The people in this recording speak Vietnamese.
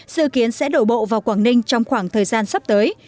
dự kiến sẽ đổ bộ vào quảng ninh trong khoảng thời gian sắp tới